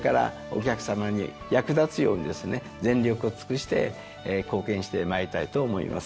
全力を尽くして貢献してまいりたいと思います。